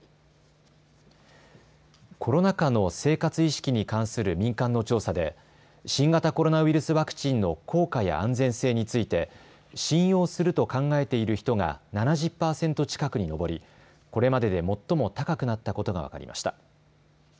コロナ禍の生活意識に関する民間の調査で新型コロナウイルスワクチンの効果や安全性について信用すると考えている人が７０％近くに上りこれまでで最も高くなったことが分かりました。